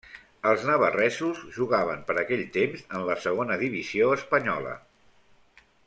Els navarresos jugaven per aquell temps en la Segona divisió espanyola.